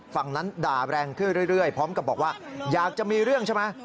ฝั่งนั้นด่าแรงขึ้นเรื่อยพร้อมกับบอกว่าอยากจะมีเรื่องใช่ไหม